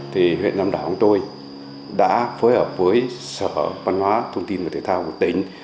thì huyện tam đảo của tôi đã phối hợp với sở văn hóa thông tin và thể thao của tỉnh